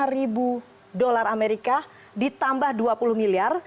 lima ribu dolar amerika ditambah dua puluh miliar